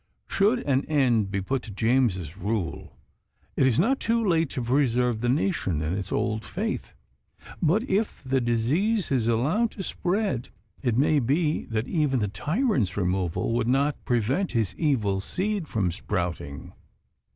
Should an end be put to James's rule, it is not too late to preserve the nation in its old faith; but if the disease is allowed to spread, it may be that even the tyrant's removal would not prevent his evil seed from sprouting.